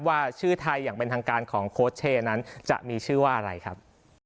ว่าชื่อไทยอย่างเป็นทางการของโค้ชเช่นั้นจะมีชื่อว่าอะไรครับ